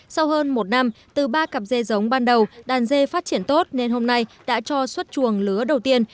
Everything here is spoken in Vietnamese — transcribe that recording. sau hơn một năm từ ba cặp dê giống ban đầu đàn dê phát triển tốt nên hôm nay đã cho xuất chuồng lứa đầu tiên